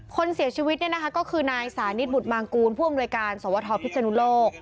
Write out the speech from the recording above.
คนเสียชีวิตเนี่ยนะคะก็คือนายสานิทบุตรมางกูลผู้อำนวยการสวทพิศนุโลก